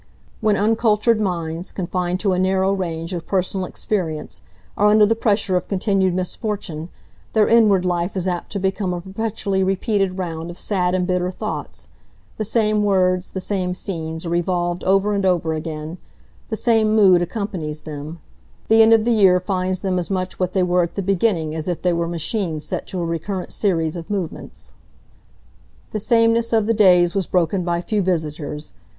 When uncultured minds, confined to a narrow range of personal experience, are under the pressure of continued misfortune, their inward life is apt to become a perpetually repeated round of sad and bitter thoughts; the same words, the same scenes, are revolved over and over again, the same mood accompanies them; the end of the year finds them as much what they were at the beginning as if they were machines set to a recurrent series of movements. The sameness of the days was broken by few visitors.